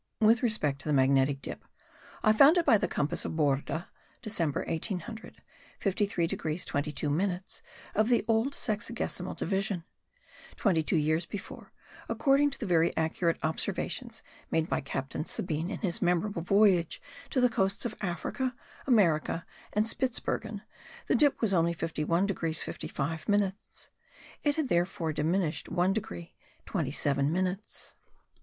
With respect to the magnetic dip I found it by the compass of Borda (December 1800) 53 degrees 22 minutes of the old sexagesimal division: twenty two years before, according to the very accurate observations made by Captain Sabine in his memorable voyage to the coasts of Africa, America and Spitzbergen, the dip was only 51 degrees 55 minutes; it had therefore diminished 1 degree 27 minutes.